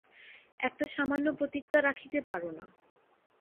একটা সামান্য প্রতিজ্ঞা রাখিতে পার না।